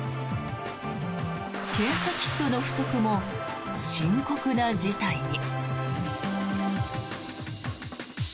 検査キットの不足も深刻な事態に。